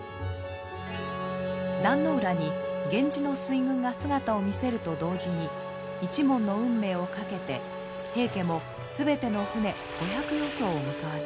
壇ノ浦に源氏の水軍が姿を見せると同時に一門の運命を懸けて平家も全ての船５００余そうを向かわせます。